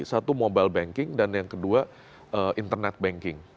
satu mobile banking dan yang kedua internet banking